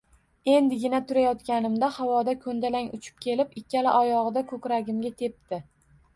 Endigina turayotganimda, havoda ko‘ndalang uchib kelib, ikkala oyog‘ida ko‘kragimga tepdi